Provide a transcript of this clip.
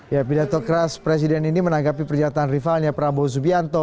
ya pidato keras presiden ini menanggapi pernyataan rivalnya prabowo subianto